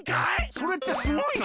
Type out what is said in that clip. それってすごいの？